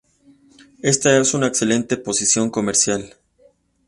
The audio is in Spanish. Está en una excelente posición comercial.